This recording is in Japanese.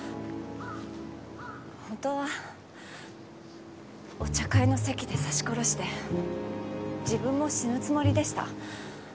本当はお茶会の席で刺し殺して自分も死ぬつもりでした。